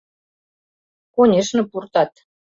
— Конешне, пуртат.